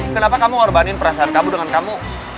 kenapa kamu ngorbanin perasaan kamu dengan kamu